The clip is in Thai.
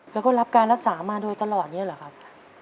แล้วก็รับการรักษามาโดยตลอดเนี่ยเหรอครับ